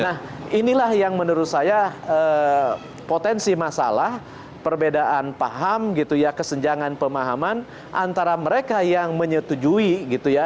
nah inilah yang menurut saya potensi masalah perbedaan paham gitu ya kesenjangan pemahaman antara mereka yang menyetujui gitu ya